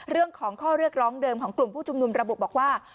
เรื่องของข้อเรียกร้องเดิมของกลุ่มผู้ชุมนุมระบุบอกว่า